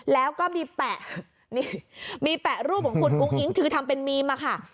แล้วก็มีแปะรูปของคุณอุ๊งอิงคือทำเป็นเมมมา